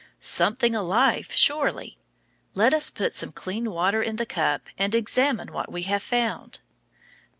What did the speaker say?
Something alive, surely. Let us put some clean water in the cup and examine what we have found.